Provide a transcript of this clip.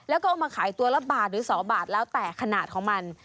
แล้วก็เอามาขายตัวละบาทหรือ๒บาทแล้วแต่ขนาดของมัน